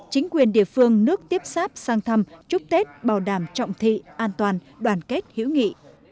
chính quyền địa phương nước tiếp sáp sang thăm chúc tết bảo đảm trọng thị an toàn đoàn kết hữu nghị